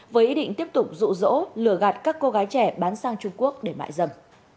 với ý định tiếp tục rụ rỗ lừa gạt các cô gái trẻ bán sang trung quốc để mại dầm